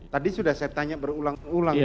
tadi sudah saya tanya berulang ulang